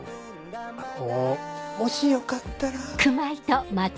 あのもしよかったら。